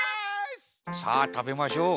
さあたべましょう。